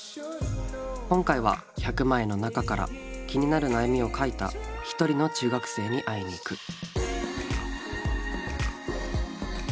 今回は１００枚の中から気になる悩みを書いたひとりの中学生に会いにいく。